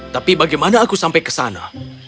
tapi bagaimana aku sampai ke sana